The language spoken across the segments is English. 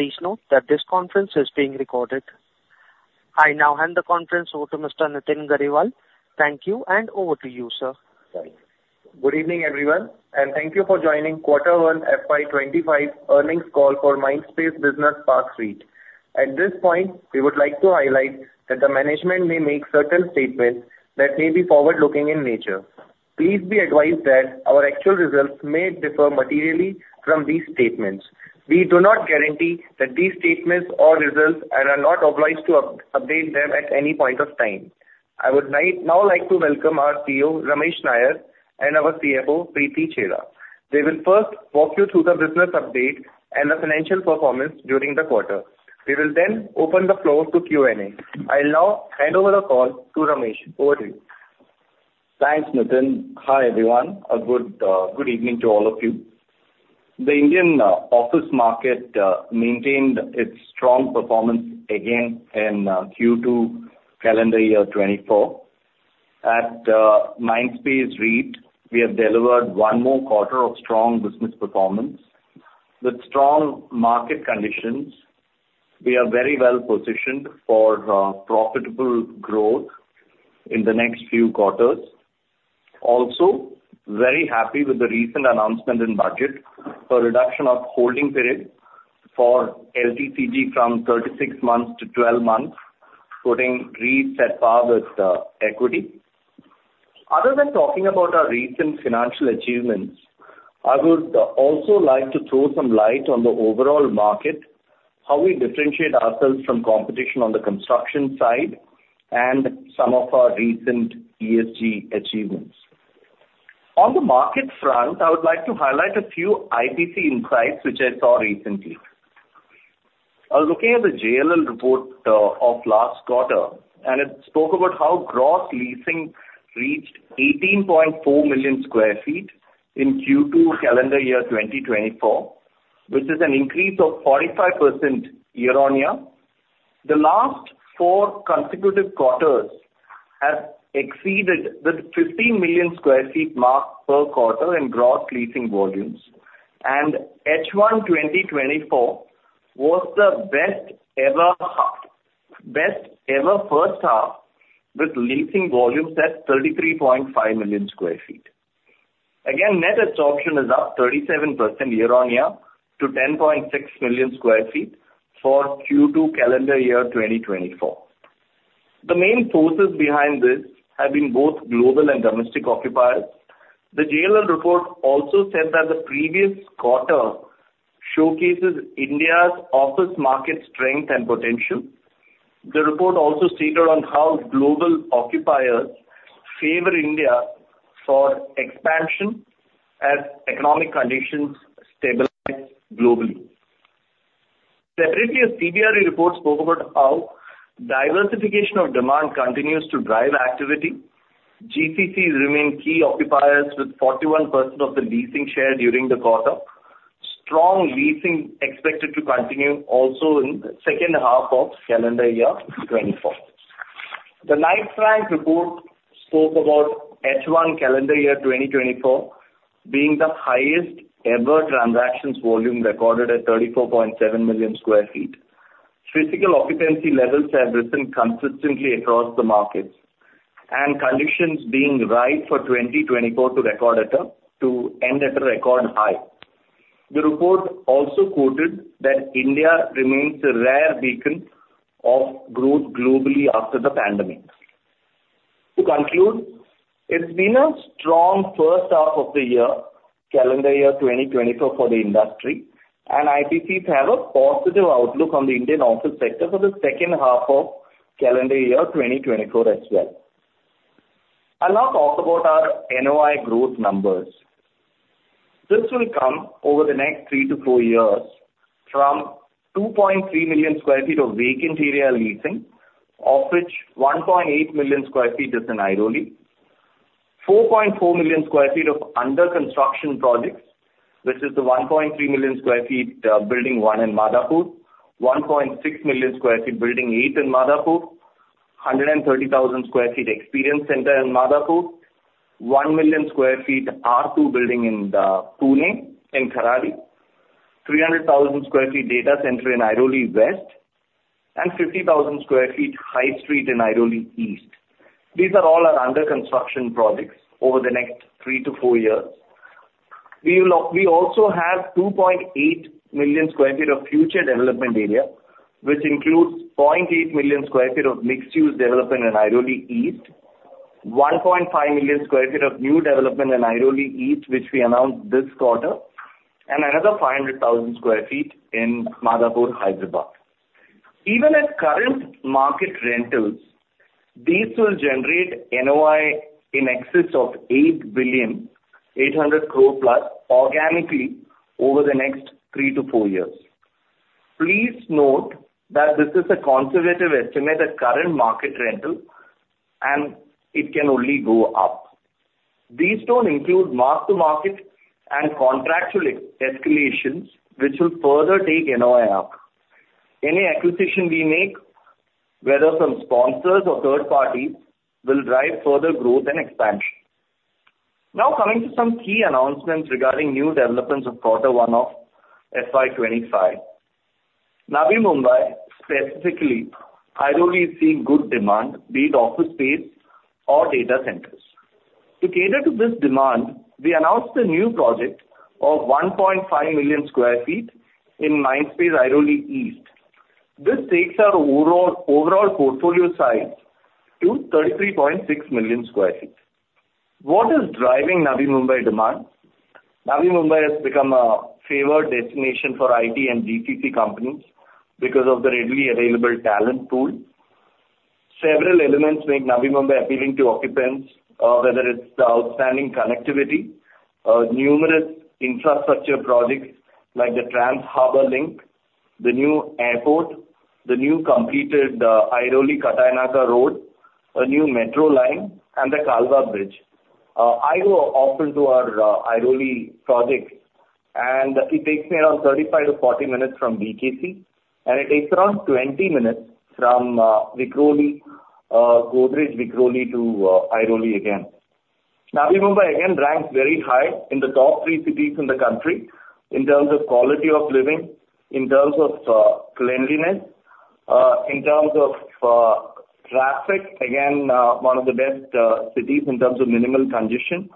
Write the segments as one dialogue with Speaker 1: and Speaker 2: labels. Speaker 1: Please note that this conference is being recorded. I now hand the conference over to Mr. Nitin Garewal. Thank you, and over to you, sir.
Speaker 2: Good evening, everyone, and thank you for joining Quarter 1 FY 2025 earnings call for Mindspace Business Parks REIT. At this point, we would like to highlight that the management may make certain statements that may be forward-looking in nature. Please be advised that our actual results may differ materially from these statements. We do not guarantee that these statements or results are not obliged to update them at any point of time. I would now like to welcome our CEO, Ramesh Nair, and our CFO, Preeti Chheda. They will first walk you through the business update and the financial performance during the quarter. They will then open the floor to Q&A. I'll now hand over the call to Ramesh. Over to you.
Speaker 3: Thanks, Nitin. Hi, everyone. Good evening to all of you. The Indian office market maintained its strong performance again in Q2 calendar year 2024. At Mindspace REIT, we have delivered one more quarter of strong business performance. With strong market conditions, we are very well positioned for profitable growth in the next few quarters. Also, very happy with the recent announcement in budget for reduction of holding period for LTCG from 36 months to 12 months, putting REITs at par with equity. Other than talking about our recent financial achievements, I would also like to throw some light on the overall market, how we differentiate ourselves from competition on the construction side, and some of our recent ESG achievements. On the market front, I would like to highlight a few IPC insights which I saw recently. I was looking at the JLL report of last quarter, and it spoke about how gross leasing reached 18.4 million sq ft in Q2 calendar year 2024, which is an increase of 45% year-over-year. The last four consecutive quarters have exceeded the 15 million sq ft mark per quarter in gross leasing volumes, and H1 2024 was the best-ever first half with leasing volumes at 33.5 million sq ft. Again, net absorption is up 37% year-over-year to 10.6 million sq ft for Q2 calendar year 2024. The main sources behind this have been both global and domestic occupiers. The JLL report also said that the previous quarter showcases India's office market strength and potential. The report also stated on how global occupiers favor India for expansion as economic conditions stabilize globally. Separately, a CBRE report spoke about how diversification of demand continues to drive activity. GCCs remain key occupiers with 41% of the leasing share during the quarter. Strong leasing is expected to continue also in the second half of calendar year 2024. The Knight Frank report spoke about H1 calendar year 2024 being the highest-ever transactions volume recorded at 34.7 million sq ft. Physical occupancy levels have risen consistently across the markets, and conditions being ripe for 2024 to end at a record high. The report also quoted that India remains a rare beacon of growth globally after the pandemic. To conclude, it's been a strong first half of the year, calendar year 2024, for the industry, and IPCs have a positive outlook on the Indian office sector for the second half of calendar year 2024 as well. I'll now talk about our NOI growth numbers. This will come over the next 3 years-4 years from 2.3 million sq ft of vacant area leasing, of which 1.8 million sq ft is in Airoli, 4.4 million sq ft of under-construction projects, which is the 1.3 million sq ft Building 1 in Madhapur, 1.6 million sq ft Building 8 in Madhapur, 130,000 sq ft Experience Center in Madhapur, 1 million sq ft R2 Building in Pune in Kharadi, 300,000 sq ft data center in Airoli West, and 50,000 sq ft high street in Airoli East. These are all our under-construction projects over the next three to four years. We also have 2.8 million sq ft of future development area, which includes 0.8 million sq ft of mixed-use development in Airoli East, 1.5 million sq ft of new development in Airoli East, which we announced this quarter, and another 500,000 sq ft in Madhapur, Hyderabad. Even at current market rentals, these will generate NOI in excess of 800+ crore, organically over the next 3 years-4 years. Please note that this is a conservative estimate at current market rental, and it can only go up. These don't include mark-to-market and contractual escalations, which will further take NOI up. Any acquisition we make, whether from sponsors or third parties, will drive further growth and expansion. Now, coming to some key announcements regarding new developments of Quarter One of FY 2025. Navi Mumbai, specifically, Airoli sees good demand, be it office space or data centers. To cater to this demand, we announced a new project of 1.5 million sq ft in Mindspace Airoli East. This takes our overall portfolio size to 33.6 million sq ft. What is driving Navi Mumbai demand? Navi Mumbai has become a favored destination for IT and GCC companies because of the readily available talent pool. Several elements make Navi Mumbai appealing to occupants, whether it's the outstanding connectivity, numerous infrastructure projects like the Trans-Harbour Link, the new airport, the new completed Airoli-Katai Naka Road, a new metro line, and the Kalwa Bridge. I go often to our Airoli projects, and it takes me around 35 minutes-40 minutes from BKC, and it takes around 20 minutes from Godrej Vikhroli to Airoli again. Navi Mumbai again ranks very high in the top three cities in the country in terms of quality of living, in terms of cleanliness, in terms of traffic. Again, one of the best cities in terms of minimal transition.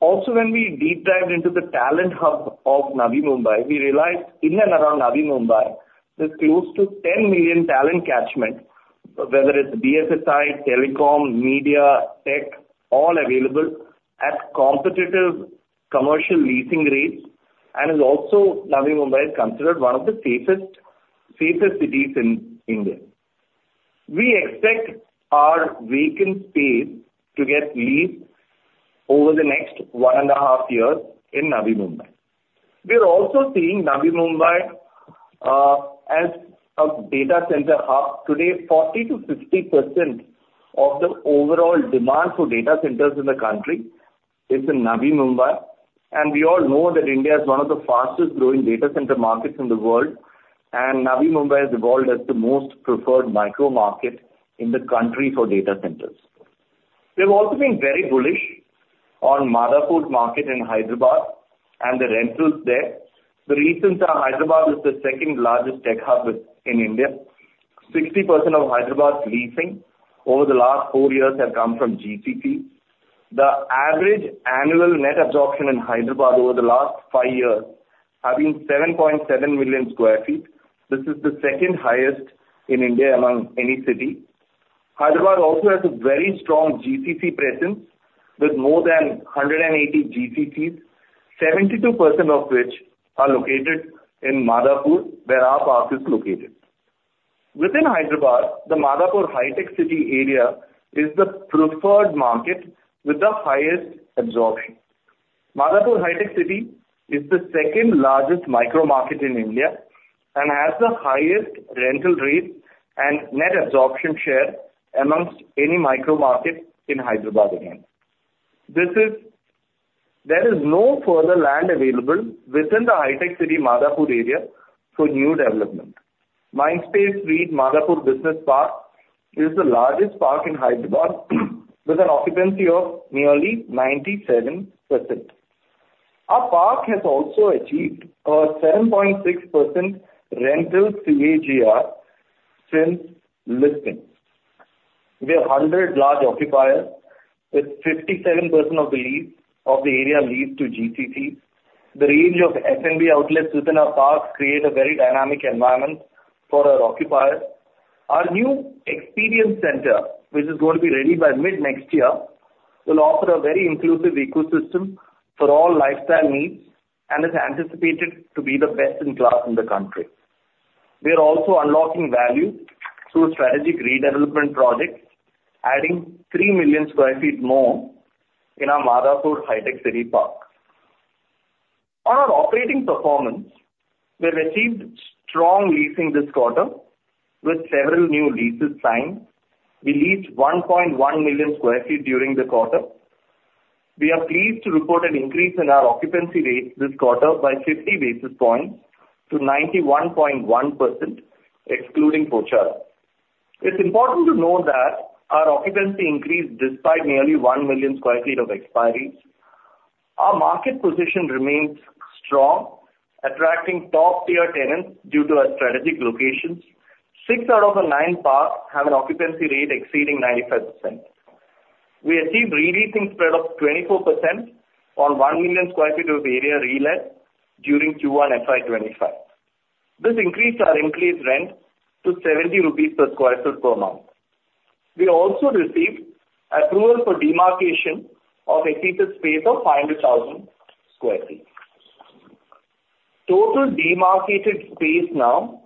Speaker 3: Also, when we deep dived into the talent hub of Navi Mumbai, we realized in and around Navi Mumbai, there's close to 10 million talent catchment, whether it's BFSI, telecom, media, tech, all available at competitive commercial leasing rates, and also, Navi Mumbai is considered one of the safest cities in India. We expect our vacant space to get leased over the next 1.5 years in Navi Mumbai. We are also seeing Navi Mumbai as a data center hub. Today, 40%-50% of the overall demand for data centers in the country is in Navi Mumbai, and we all know that India is one of the fastest growing data center markets in the world, and Navi Mumbai has evolved as the most preferred micro market in the country for data centers. We have also been very bullish on Madhapur market in Hyderabad and the rentals there. The reasons are Hyderabad is the second largest tech hub in India. 60% of Hyderabad's leasing over the last four years has come from GCC. The average annual net absorption in Hyderabad over the last five years has been 7.7 million sq ft. This is the second highest in India among any city. Hyderabad also has a very strong GCC presence with more than 180 GCCs, 72% of which are located in Madhapur, where our park is located. Within Hyderabad, the Madhapur HITEC City area is the preferred market with the highest absorption. Madhapur HITEC City is the second largest micro market in India and has the highest rental rates and net absorption share amongst any micro market in Hyderabad again. There is no further land available within the HITEC City Madhapur area for new development. Mindspace REIT Madhapur Business Park is the largest park in Hyderabad with an occupancy of nearly 97%. Our park has also achieved a 7.6% rental CAGR since listing. We have 100 large occupiers, with 57% of the area leased to GCCs. The range of F&B outlets within our park creates a very dynamic environment for our occupiers. Our new Experience Center, which is going to be ready by mid-next year, will offer a very inclusive ecosystem for all lifestyle needs and is anticipated to be the best in class in the country. We are also unlocking value through strategic redevelopment projects, adding 3 million sq ft more in our Madhapur HITEC City park. On our operating performance, we have achieved strong leasing this quarter with several new leases signed. We leased 1.1 million sq ft during the quarter. We are pleased to report an increase in our occupancy rate this quarter by 50 basis points to 91.1%, excluding Pocharam. It's important to note that our occupancy increased despite nearly 1 million sq ft of expiries. Our market position remains strong, attracting top-tier tenants due to our strategic locations. Six out of the nine parks have an occupancy rate exceeding 95%. We achieved re-leasing spread of 24% on 1 million sq ft of area relet during Q1 FY 2025. This increased our increased rent to 70 rupees per sq ft per month. We also received approval for demarcation of SEZ space of 500,000 sq ft. Total demarcated space now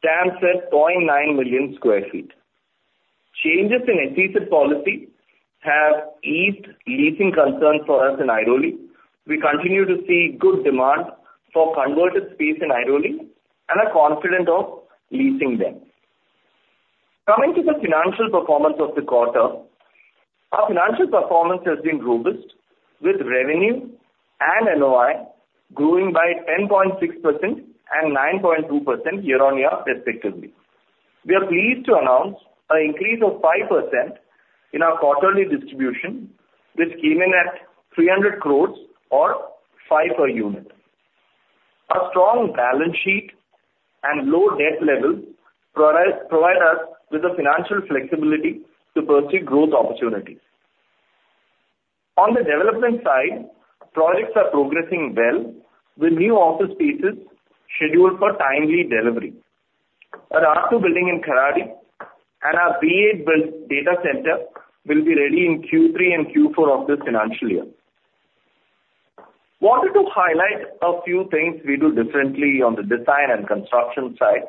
Speaker 3: stands at 0.9 million sq ft. Changes in SEZ policy have eased leasing concerns for us in Airoli. We continue to see good demand for converted space in Airoli and are confident of leasing them. Coming to the financial performance of the quarter, our financial performance has been robust, with revenue and NOI growing by 10.6% and 9.2% year-on-year respectively. We are pleased to announce an increase of 5% in our quarterly distribution, which came in at 300 crores or 5 per unit. Our strong balance sheet and low debt level provide us with the financial flexibility to pursue growth opportunities. On the development side, projects are progressing well with new office spaces scheduled for timely delivery. Our R2 Building in Kharadi and our Building 8 data center will be ready in Q3 and Q4 of this financial year. Wanted to highlight a few things we do differently on the design and construction side.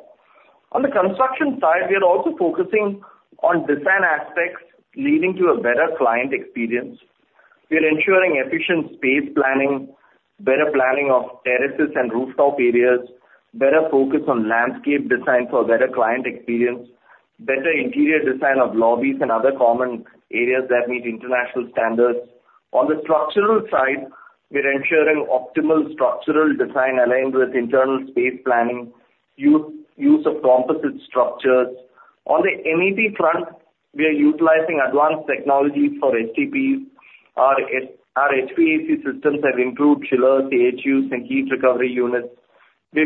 Speaker 3: On the construction side, we are also focusing on design aspects leading to a better client experience. We are ensuring efficient space planning, better planning of terraces and rooftop areas, better focus on landscape design for better client experience, better interior design of lobbies and other common areas that meet international standards. On the structural side, we are ensuring optimal structural design aligned with internal space planning, use of composite structures. On the MEP front, we are utilizing advanced technologies for STPs. Our HVAC systems have improved chillers, AHUs, and heat recovery units. We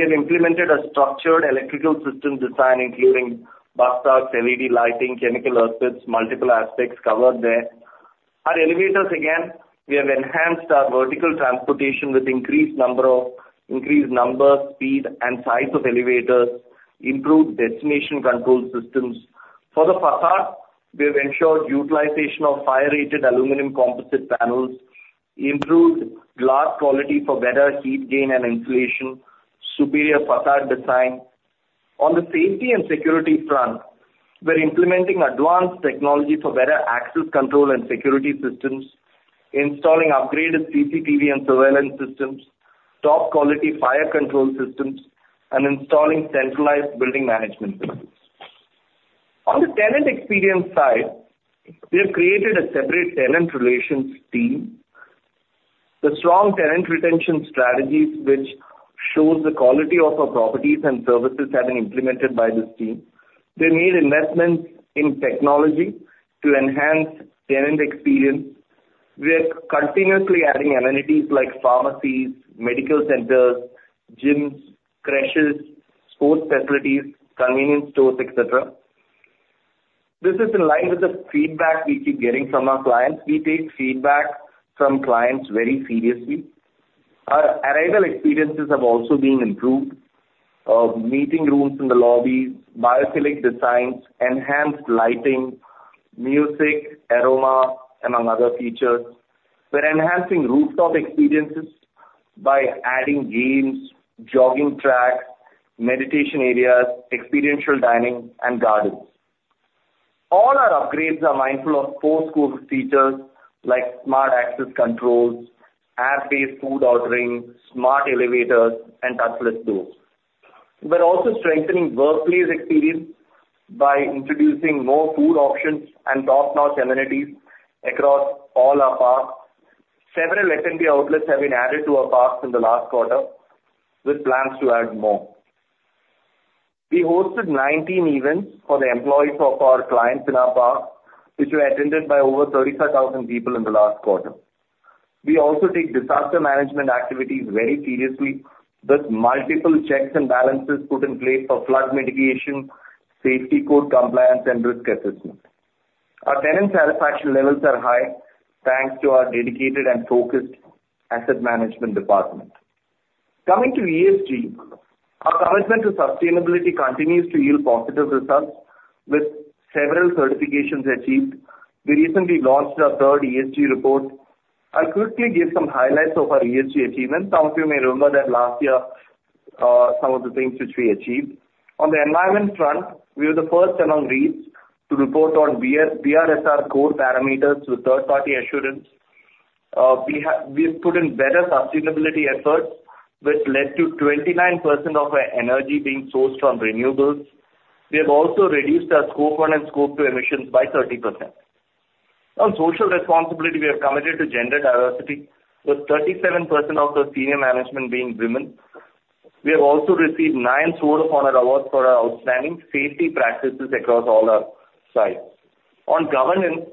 Speaker 3: have implemented a structured electrical system design, including busbars, LED lighting, chemical earthing, multiple aspects covered there. Our elevators, again, we have enhanced our vertical transportation with increased number, speed, and size of elevators, improved destination control systems. For the facade, we have ensured utilization of fire-rated aluminum composite panels, improved glass quality for better heat gain and insulation, superior facade design. On the safety and security front, we're implementing advanced technology for better access control and security systems, installing upgraded CCTV and surveillance systems, top-quality fire control systems, and installing centralized building management systems. On the tenant experience side, we have created a separate tenant relations team. The strong tenant retention strategies, which shows the quality of our properties and services have been implemented by this team. We have made investments in technology to enhance tenant experience. We are continuously adding amenities like pharmacies, medical centers, gyms, creches, sports facilities, convenience stores, etc. This is in line with the feedback we keep getting from our clients. We take feedback from clients very seriously. Our arrival experiences have also been improved. Meeting rooms in the lobbies, biophilic designs, enhanced lighting, music, aroma, among other features. We're enhancing rooftop experiences by adding games, jogging tracks, meditation areas, experiential dining, and gardens. All our upgrades are mindful of four cool features like smart access controls, app-based food ordering, smart elevators, and touchless doors. We're also strengthening workplace experience by introducing more food options and top-notch amenities across all our parks. Several F&B outlets have been added to our parks in the last quarter with plans to add more. We hosted 19 events for the employees of our clients in our park, which were attended by over 35,000 people in the last quarter. We also take disaster management activities very seriously with multiple checks and balances put in place for flood mitigation, safety code compliance, and risk assessment. Our tenant satisfaction levels are high thanks to our dedicated and focused asset management department. Coming to ESG, our commitment to sustainability continues to yield positive results with several certifications achieved. We recently launched our third ESG report. I'll quickly give some highlights of our ESG achievements. Some of you may remember that last year, some of the things which we achieved. On the environment front, we were the first among REITs to report on BRSR Core parameters with third-party assurance. We have put in better sustainability efforts, which led to 29% of our energy being sourced from renewables. We have also reduced our scope one and scope two emissions by 30%. On social responsibility, we have committed to gender diversity with 37% of the senior management being women. We have also received nine Sword of Honour awards for our outstanding safety practices across all our sites. On governance,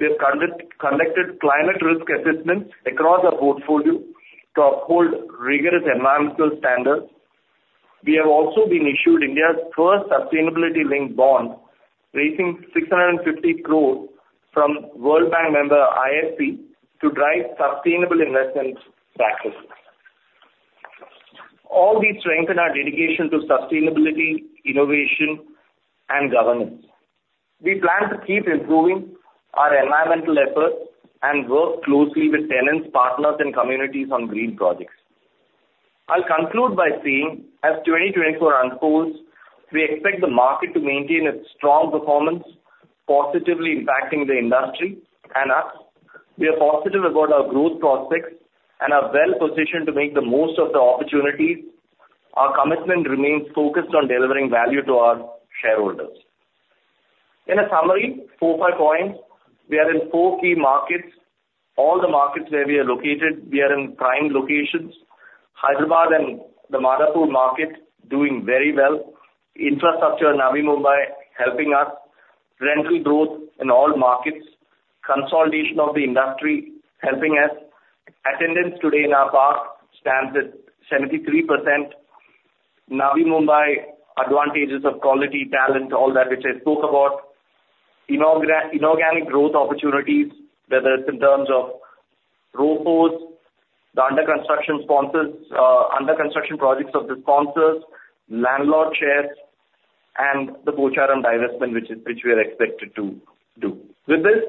Speaker 3: we have conducted climate risk assessments across our portfolio to uphold rigorous environmental standards. We have also been issued India's first sustainability-linked bond, raising 650 crore from World Bank member IFC to drive sustainable investment practices. All these strengthen our dedication to sustainability, innovation, and governance. We plan to keep improving our environmental efforts and work closely with tenants, partners, and communities on green projects. I'll conclude by saying as 2024 unfolds, we expect the market to maintain its strong performance, positively impacting the industry and us. We are positive about our growth prospects and are well positioned to make the most of the opportunities. Our commitment remains focused on delivering value to our shareholders. In a summary, four or five points, we are in four key markets. All the markets where we are located, we are in prime locations. Hyderabad and the Madhapur market doing very well. Infrastructure in Navi Mumbai helping us. Rental growth in all markets. Consolidation of the industry helping us. Attendance today in our park stands at 73%. Navi Mumbai advantages of quality, talent, all that which I spoke about. Inorganic growth opportunities, whether it's in terms of ROFOs, the under-construction projects of the sponsors, landlord shares, and the Pocharam divestment, which we are expected to do. With this,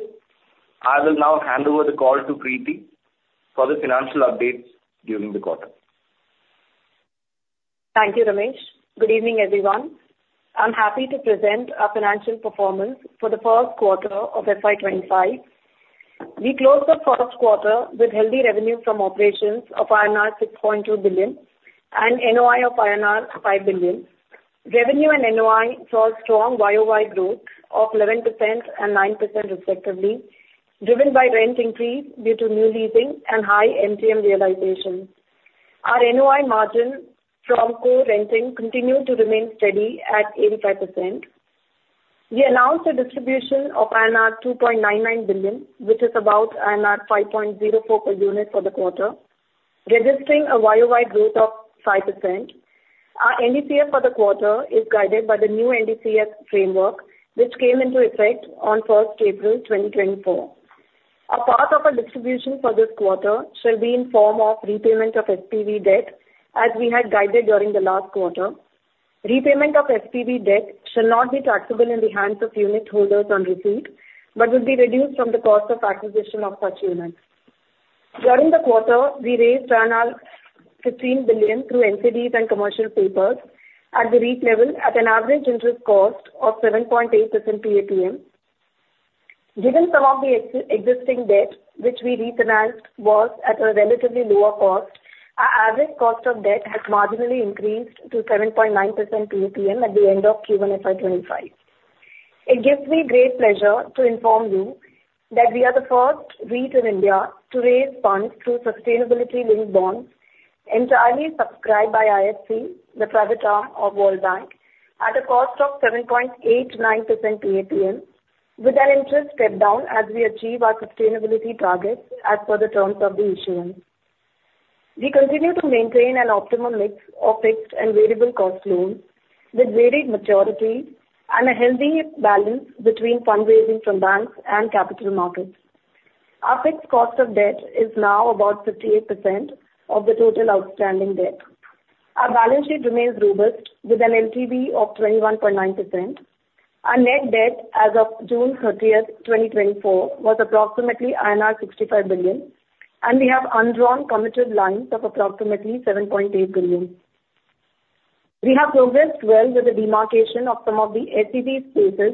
Speaker 3: I will now hand over the call to Preeti for the financial updates during the quarter.
Speaker 4: Thank you, Ramesh. Good evening, everyone. I'm happy to present our financial performance for the first quarter of FY 2025. We closed the first quarter with healthy revenue from operations of INR 6.2 billion and NOI of INR 5 billion. Revenue and NOI saw strong year-over-year growth of 11% and 9% respectively, driven by rent increase due to new leasing and high MTM realization. Our NOI margin from operations continued to remain steady at 85%. We announced a distribution of INR 2.99 billion, which is about INR 5.04 per unit for the quarter, registering a year-over-year growth of 5%. Our NDCF for the quarter is guided by the new NDCF framework, which came into effect on 1st April 2024. A part of our distribution for this quarter shall be in form of repayment of SPV debt, as we had guided during the last quarter. Repayment of SPV debt shall not be taxable in the hands of unit holders on receipt, but will be reduced from the cost of acquisition of such units. During the quarter, we raised 15 billion through NCDs and commercial papers at the REIT level at an average interest cost of 7.8% PAPM. Given some of the existing debt, which we refinanced was at a relatively lower cost, our average cost of debt has marginally increased to 7.9% PAPM at the end of Q1 FY 2025. It gives me great pleasure to inform you that we are the first REIT in India to raise funds through sustainability-linked bonds, entirely subscribed by IFC, the private arm of World Bank, at a cost of 7.89% PAPM, with an interest step-down as we achieve our sustainability targets as per the terms of the issuance. We continue to maintain an optimal mix of fixed and variable cost loans with varied maturity and a healthy balance between fundraising from banks and capital markets. Our fixed cost of debt is now about 58% of the total outstanding debt. Our balance sheet remains robust with an LTV of 21.9%. Our net debt as of June 30th, 2024, was approximately INR 65 billion, and we have undrawn committed lines of approximately 7.8 billion. We have progressed well with the demarcation of some of the SEZ spaces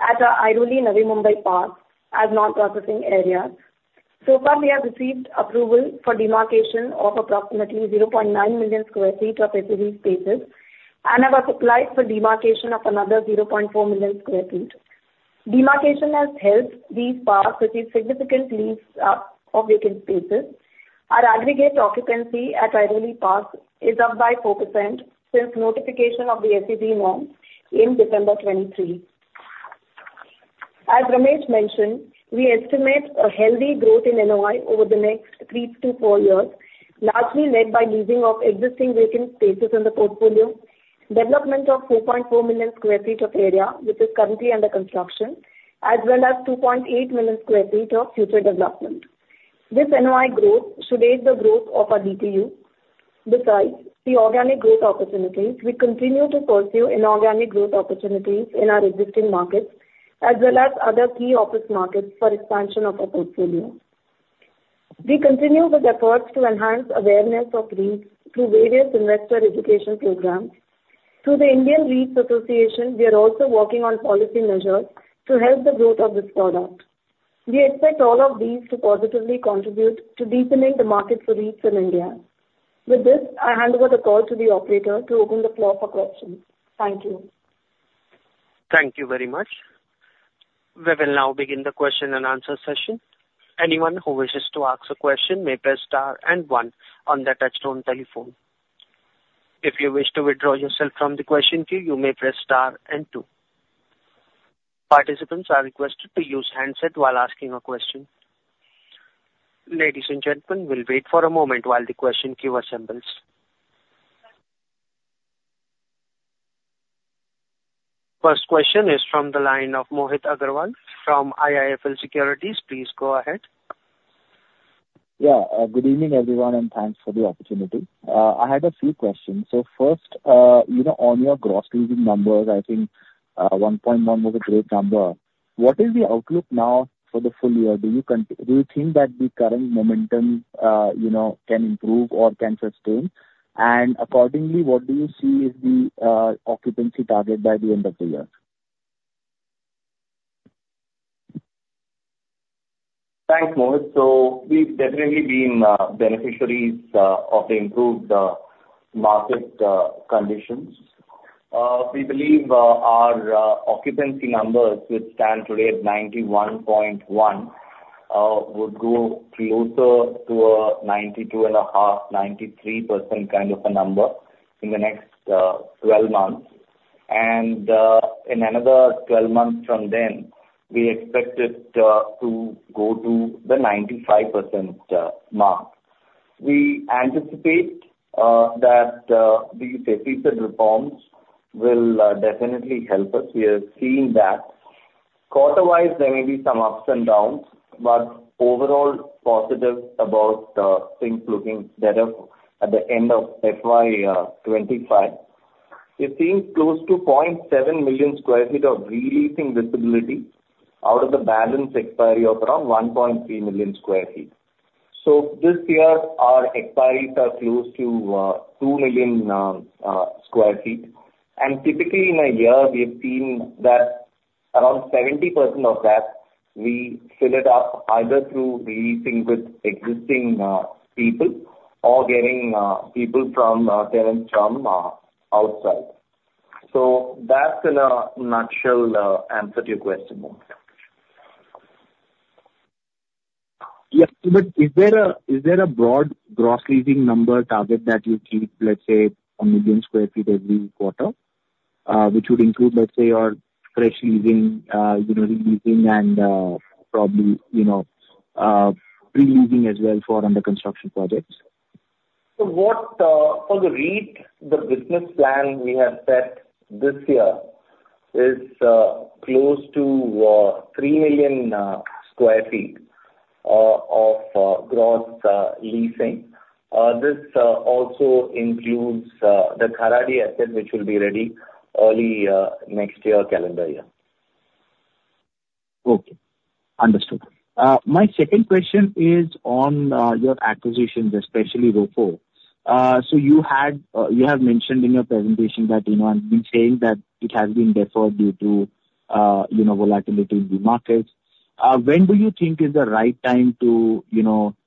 Speaker 4: at our Airoli Navi Mumbai park as non-processing areas. So far, we have received approval for demarcation of approximately 0.9 million sq ft of SEZ spaces and have applied for demarcation of another 0.4 million sq ft. Demarcation has helped these parks achieve significant lease of vacant spaces. Our aggregate occupancy at Airoli parks is up by 4% since notification of the SEZ norms in December 2023. As Ramesh mentioned, we estimate a healthy growth in NOI over the next 3 years-4 years, largely led by leasing of existing vacant spaces in the portfolio, development of 4.4 million sq ft of area which is currently under construction, as well as 2.8 million sq ft of future development. This NOI growth should aid the growth of our DPU. Besides the organic growth opportunities, we continue to pursue inorganic growth opportunities in our existing markets, as well as other key office markets for expansion of our portfolio. We continue with efforts to enhance awareness of REITs through various investor education programs. Through the Indian REITs Association, we are also working on policy measures to help the growth of this product. We expect all of these to positively contribute to deepening the market for REITs in India. With this, I hand over the call to the operator to open the floor for questions. Thank you.
Speaker 1: Thank you very much. We will now begin the question and answer session. Anyone who wishes to ask a question may press star and one on the touchtone telephone. If you wish to withdraw yourself from the question queue, you may press star and two. Participants are requested to use handset while asking a question. Ladies and gentlemen, we'll wait for a moment while the question queue assembles. First question is from the line of Mohit Agrawal from IIFL Securities. Please go ahead.
Speaker 5: Yeah, good evening everyone and thanks for the opportunity. I had a few questions. So first, you know, on your gross leasing numbers, I think 1.1 was a great number. What is the outlook now for the full year? Do you think that the current momentum can improve or can sustain? And accordingly, what do you see is the occupancy target by the end of the year?
Speaker 3: Thanks, Mohit. So we've definitely been beneficiaries of the improved market conditions. We believe our occupancy numbers which stand today at 91.1% would go closer to a 92.5%-93% kind of a number in the next 12 months. And in another 12 months from then, we expect it to go to the 95% mark. We anticipate that these safety reforms will definitely help us. We have seen that. Quarter-wise, there may be some ups and downs, but overall positive about things looking better at the end of FY25. We're seeing close to 0.7 million sq ft of re-leasing visibility out of the balanced expiry of around 1.3 million sq ft. So this year, our expiry is close to 2 million sq ft. And typically in a year, we have seen that around 70% of that we fill it up either through leasing with existing people or getting people from tenants from outside. So that's in a nutshell answer to your question, Mohit.
Speaker 5: Yes, but is there a broad gross leasing number target that you keep, let's say, 1 million sq ft every quarter, which would include, let's say, your fresh leasing, re-leasing, and probably pre-leasing as well for under-construction projects?
Speaker 3: So for the REIT, the business plan we have set this year is close to 3 million sq ft of gross leasing. This also includes the Kharadi asset, which will be ready early next year calendar year.
Speaker 5: Okay. Understood. My second question is on your acquisitions, especially ROFO. So you have mentioned in your presentation that you have been saying that it has been deferred due to volatility in the markets. When do you think is the right time to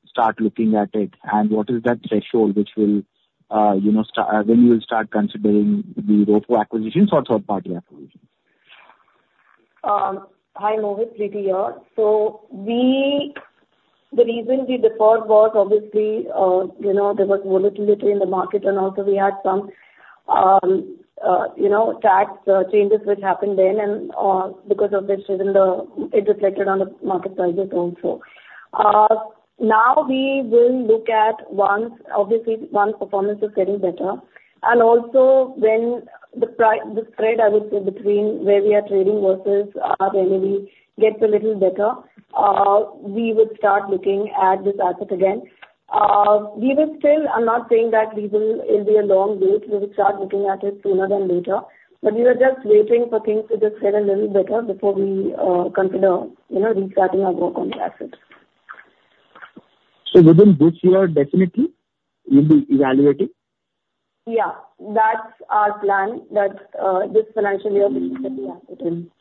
Speaker 5: start looking at it? And what is that threshold which will when you will start considering the ROFO acquisitions or third-party acquisitions?
Speaker 4: Hi, Mohit, greeting you. So the reason we deferred was obviously there was volatility in the market, and also we had some tax changes which happened then, and because of this, it reflected on the market prices also. Now we will look at, obviously, once performance is getting better, and also when the spread, I would say, between where we are trading versus our NAV gets a little better, we would start looking at this asset again. We will still, I'm not saying that it will be a long wait. We will start looking at it sooner than later, but we are just waiting for things to just get a little better before we consider restarting our work on the assets.
Speaker 5: So within this year, definitely, you'll be evaluating?
Speaker 4: Yeah, that's our plan that this financial year we will get the asset in.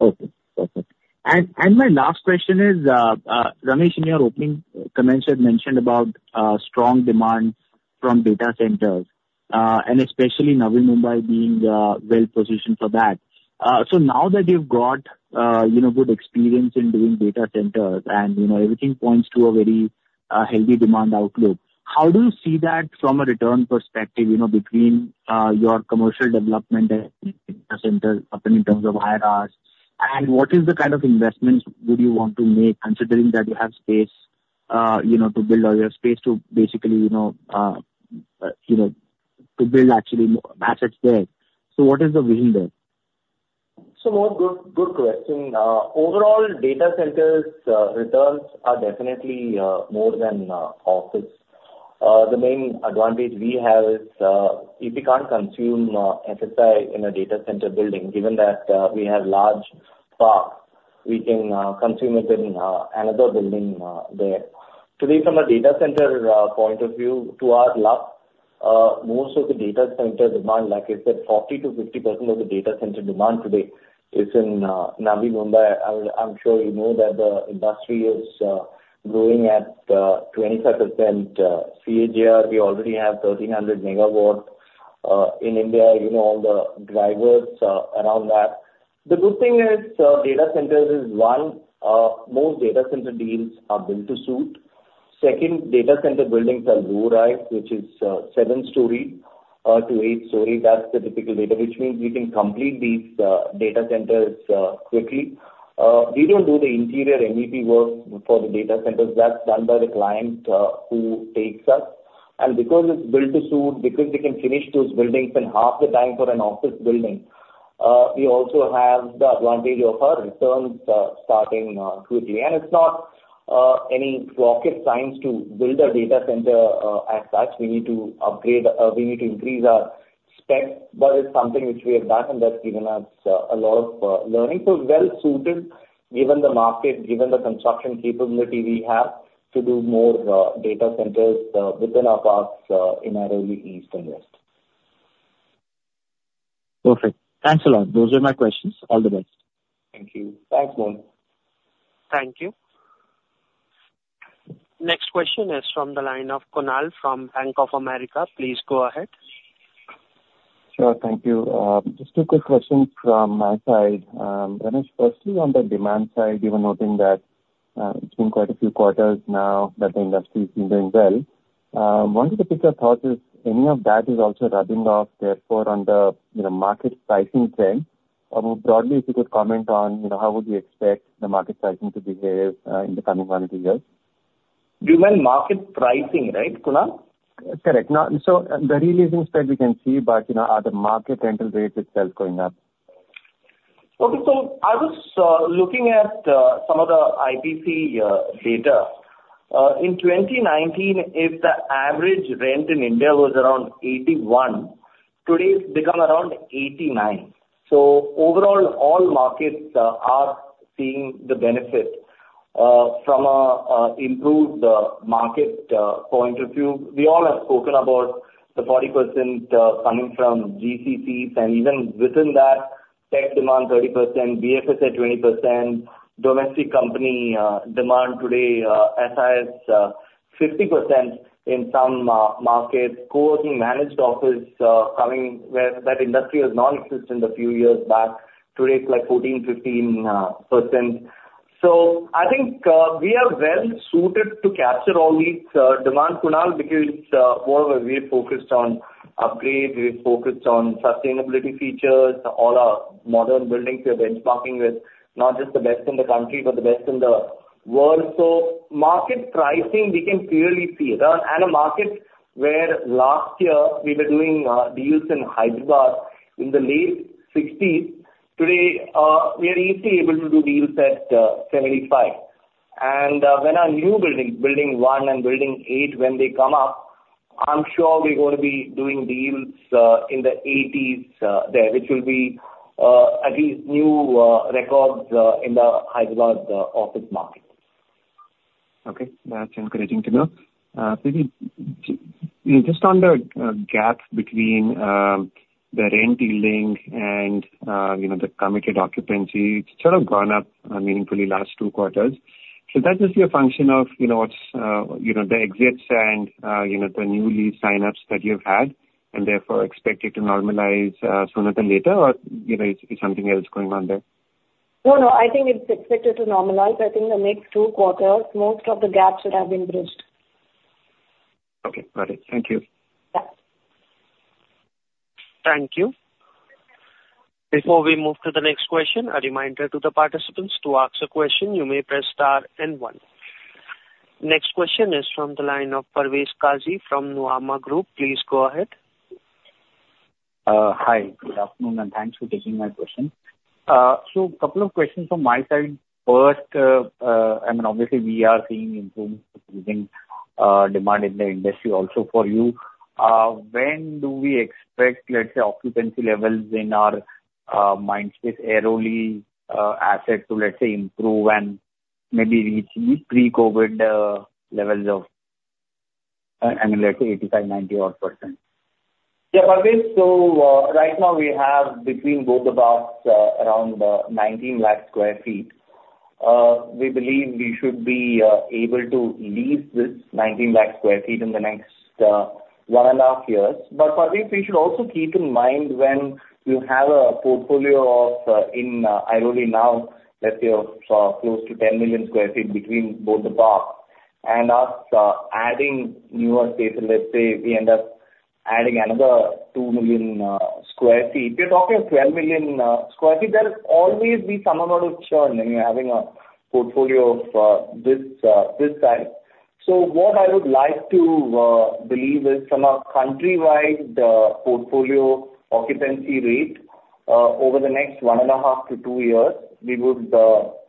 Speaker 5: Okay. Perfect. And my last question is, Ramesh, in your opening comments, you had mentioned about strong demand from data centers, and especially Navi Mumbai being well positioned for that. So now that you've got good experience in doing data centers and everything points to a very healthy demand outlook, how do you see that from a return perspective between your commercial development and data centers in terms of IRRs? And what is the kind of investments would you want to make considering that you have space to build or you have space to basically to build actually assets there? So what is the vision there?
Speaker 3: So, a good question. Overall, data centers' returns are definitely more than office. The main advantage we have is if we can't consume SEZ in a data center building, given that we have large parks, we can consume it in another building there. Today, from a data center point of view, to our luck, most of the data center demand, like I said, 40%-50% of the data center demand today is in Navi Mumbai. I'm sure you know that the industry is growing at 25% CAGR. We already have 1,300 MW in India, all the drivers around that. The good thing is data centers is, one, most data center deals are built to suit. Second, data center buildings are low-rise, which is seven-storey to eight-storey. That's the typical data, which means we can complete these data centers quickly. We don't do the interior MEP work for the data centers. That's done by the client who takes us. And because it's built to suit, because we can finish those buildings in half the time for an office building, we also have the advantage of our returns starting quickly. It's not any rocket science to build a data center as such. We need to upgrade; we need to increase our specs, but it's something which we have done, and that's given us a lot of learning. So well suited, given the market, given the construction capability we have to do more data centers within our parks in our Airoli East and West.
Speaker 5: Perfect. Thanks a lot. Those were my questions. All the best.
Speaker 3: Thank you. Thanks, Mohit.
Speaker 1: Thank you. Next question is from the line of Kunal from Bank of America. Please go ahead.
Speaker 6: Sure. Thank you. Just two quick questions from my side. Ramesh, firstly, on the demand side, you were noting that it's been quite a few quarters now that the industry has been doing well. One of the bigger thoughts is any of that is also rubbing off, therefore, on the market pricing trend. More broadly, if you could comment on how would you expect the market pricing to behave in the coming 1 or 2 years?
Speaker 3: You meant market pricing, right, Kunal?
Speaker 6: Correct. So the re-leasing spread we can see, but are the market rental rates itself going up?
Speaker 3: Okay. So I was looking at some of the IPC data. In 2019, the average rent in India was around 81, today it's become around 89. So overall, all markets are seeing the benefit from an improved market point of view. We all have spoken about the 40% coming from GCCs, and even within that, tech demand 30%, BFSI 20%, domestic company demand today is 50% in some markets, co-working managed office coming where that industry was non-existent a few years back. Today it's like 14%, 15%. So I think we are well suited to capture all these demands, Kunal, because moreover, we're focused on upgrades. We're focused on sustainability features. All our modern buildings we are benchmarking with, not just the best in the country, but the best in the world. So market pricing, we can clearly see it. And a market where last year we were doing deals in Hyderabad in the late INR 60s, today we are easily able to do deals at 75. And when our new buildings, Building 1 and Building 8, when they come up, I'm sure we're going to be doing deals in the INR 80s there, which will be at least new records in the Hyderabad office market.
Speaker 6: Okay. That's encouraging to know. Just on the gap between the rent commencement and the committed occupancy, it's sort of gone up meaningfully last two quarters. So that's just your function of the exits and the newly sign-ups that you've had, and therefore expect it to normalize sooner than later, or is something else going on there?
Speaker 4: No, no. I think it's expected to normalize. I think the next two quarters, most of the gaps should have been bridged.
Speaker 6: Okay. Got it. Thank you.
Speaker 1: Thank you. Before we move to the next question, a reminder to the participants to ask a question. You may press star and one. Next question is from the line of Parvez Qazi from Nuvama Group. Please go ahead.
Speaker 7: Hi. Good afternoon, and thanks for taking my question. So a couple of questions from my side. First, I mean, obviously, we are seeing improved demand in the industry also for you. When do we expect, let's say, occupancy levels in our Mindspace Airoli East asset to, let's say, improve and maybe reach pre-COVID levels of, I mean, let's say, 85%-90% odd?
Speaker 3: Yeah, Parvez. Right now we have between both of us around 19 lakh sq ft. We believe we should be able to lease this 19 lakh sq ft in the next 1.5 years. But Parvez, we should also keep in mind when you have a portfolio in Airoli now, let's say, of close to 10 million sq ft between both the parks and us adding newer space, and let's say we end up adding another 2 million sq ft, we're talking 12 million sq ft. There'll always be some amount of churn when you're having a portfolio of this size. So what I would like to believe is from a countrywide portfolio occupancy rate over the next 1.5-2 years, we would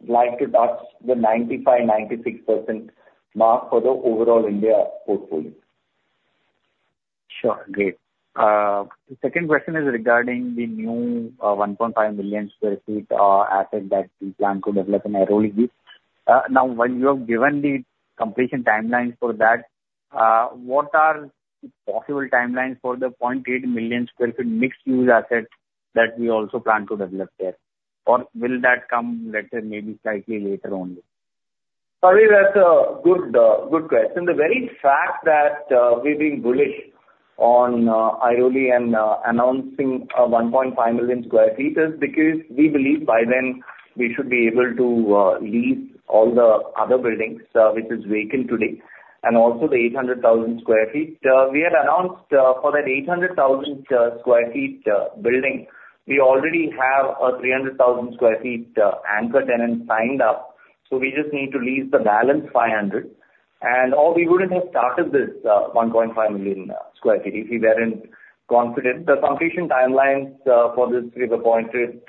Speaker 3: like to touch the 95%-96% mark for the overall India portfolio.
Speaker 7: Sure. Great. The second question is regarding the new 1.5 million sq ft asset that we plan to develop in Airoli. Now, while you have given the completion timelines for that, what are the possible timelines for the 0.8 million sq ft mixed-use asset that we also plan to develop there? Or will that come, let's say, maybe slightly later only?
Speaker 3: Parvez, that's a good question. The very fact that we're being bullish on Airoli and announcing 1.5 million sq ft is because we believe by then we should be able to lease all the other buildings which are vacant today, and also the 800,000 sq ft. We had announced for that 800,000 sq ft building, we already have a 300,000 sq ft anchor tenant signed up. So we just need to lease the balance 500,000. And we wouldn't have started this 1.5 million sq ft if we weren't confident. The completion timelines for this we've appointed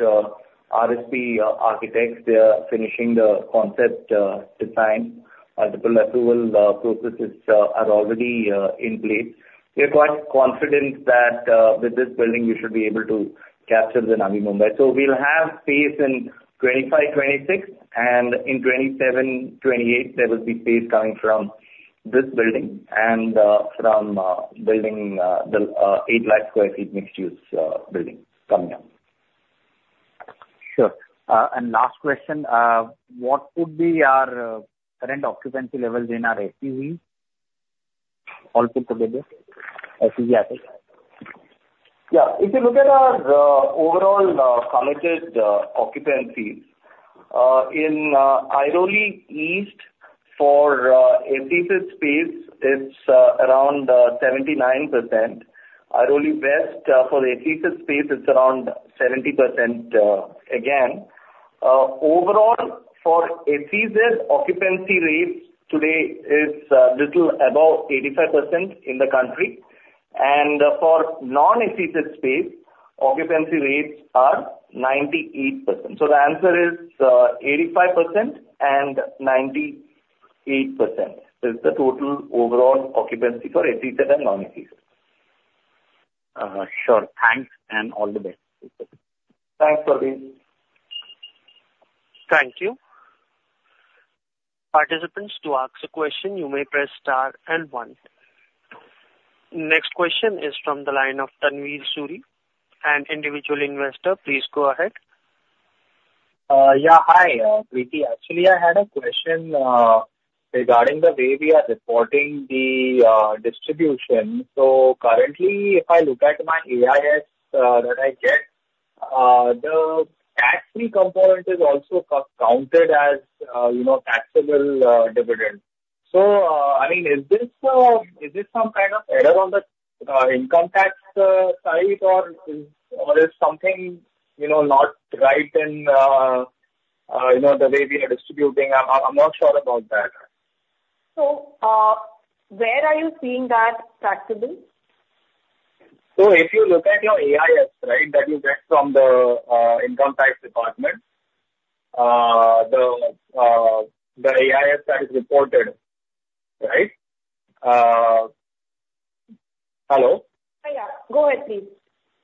Speaker 3: RSP Architects. They're finishing the concept design. Multiple approval processes are already in place. We're quite confident that with this building, we should be able to capture the Navi Mumbai. So we'll have space in 2025, 2026, and in 2027, 2028, there will be space coming from this building and from building the 800,000 sq ft mixed-use building coming up.
Speaker 7: Sure. And last question, what would be our current occupancy levels in our SEZs? All put together, SEZ assets.
Speaker 3: Yeah. If you look at our overall committed occupancy in Airoli East for SEZ space, it's around 79%. Airoli West for the SEZ space, it's around 70% again. Overall, for SEZ occupancy rates today is a little above 85% in the country. For non-SEZ space, occupancy rates are 98%. The answer is 85% and 98% is the total overall occupancy for SEZ and non-SEZ.
Speaker 7: Sure. Thanks, and all the best.
Speaker 3: Thanks, Parvez.
Speaker 1: Thank you. Participants, to ask a question, you may press star and one. Next question is from the line of Tanveer Sure, an individual investor. Please go ahead.
Speaker 8: Yeah. Hi, greeting. Actually, I had a question regarding the way we are reporting the distribution. So currently, if I look at my AIS that I get, the tax-free component is also counted as taxable dividend. So I mean, is this some kind of error on the income tax side, or is something not right in the way we are distributing? I'm not sure about that.
Speaker 4: So where are you seeing that taxable?
Speaker 8: So if you look at your AIS, right, that you get from the income tax department, the AIS that is reported, right? Hello? Yeah. Go ahead, please.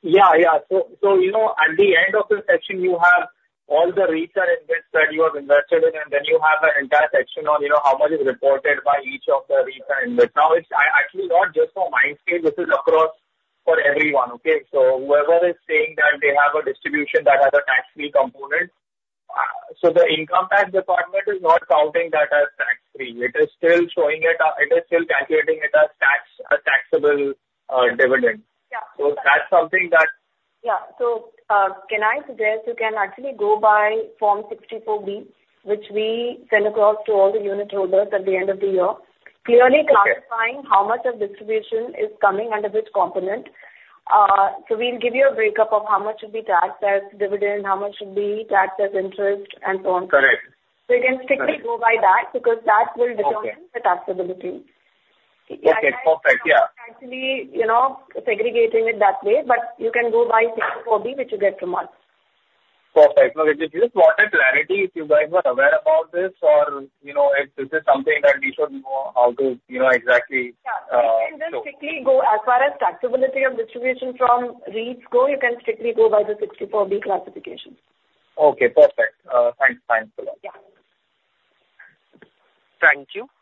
Speaker 8: Yeah. So at the end of the section, you have all the retail investors that you have invested in, and then you have an entire section on how much is reported by each of the retail investors. Now, it's actually not just for Mindspace. This is across for everyone, okay? So whoever is saying that they have a distribution that has a tax-free component, so the income tax department is not counting that as tax-free. It is still showing it; it is still calculating it as taxable dividend. So that's something that.
Speaker 4: Yeah. So, can I suggest you can actually go by Form 64B, which we send across to all the unit holders at the end of the year, clearly classifying how much of distribution is coming under which component. So we'll give you a breakup of how much should be taxed as dividend, how much should be taxed as interest, and so on. Correct. So you can strictly go by that because that will determine the taxability.
Speaker 8: Okay. Perfect. Yeah.
Speaker 4: Actually segregating it that way, but you can go by 64B, which you get from us.
Speaker 8: Perfect. Okay. Just wanted clarity if you guys were aware about this or if this is something that we should know how to exactly.
Speaker 4: Yeah. You can just strictly go as far as taxability of distribution from REITs go, you can strictly go by the 64B classification.
Speaker 8: Okay. Perfect. Thanks. Thanks, Kunal.
Speaker 4: Yeah.
Speaker 1: Thank you.